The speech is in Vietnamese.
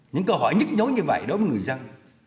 những câu hỏi nhức nhối như vậy đối với người dân